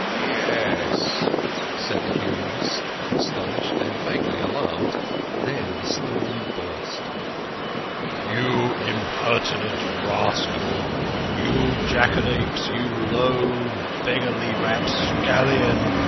"Ye es," said the humorist, astonished and vaguely alarmed. Then the storm burst. "You impertinent scoundrel ! You jackanapes ! You low, beggarly rapscallion